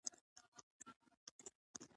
پکورې له کورني چټن سره خوندورې وي